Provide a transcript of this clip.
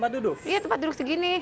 dulu ini tempat duduk